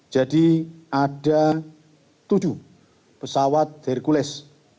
jadi ada tujuh pesawat hercules